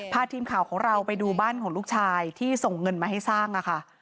พาทีมข่าวของเราไปดูบ้านของลูกชายที่ส่งเงินมาให้สร้างค่ะ